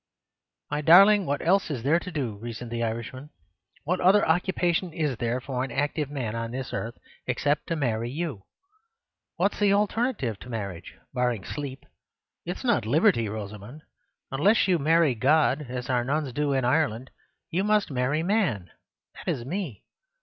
"My darling, what else is there to do?" reasoned the Irishman. "What other occupation is there for an active man on this earth, except to marry you? What's the alternative to marriage, barring sleep? It's not liberty, Rosamund. Unless you marry God, as our nuns do in Ireland, you must marry Man—that is Me.